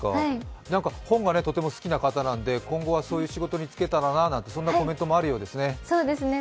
本がとても好きな方なので今後はそういう仕事に就けたらなとそんなコメントもあるようですね。